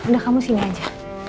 udah kamu sini aja